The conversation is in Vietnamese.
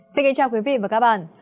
xin kính chào quý vị và các bạn